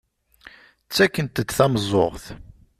Ttakkent-d tameẓẓuɣt.